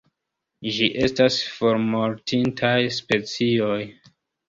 Ĝi estas formortintaj specioj.